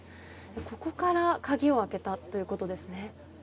ここから鍵を開けたということですね。